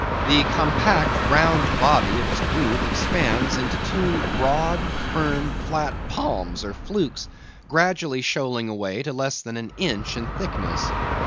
The compact round body of its root expands into two broad, firm, flat palms or flukes, gradually shoaling away to less than an inch in thickness.